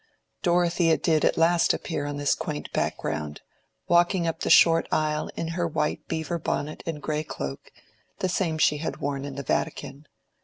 Dorothea did at last appear on this quaint background, walking up the short aisle in her white beaver bonnet and gray cloak—the same she had worn in the Vatican.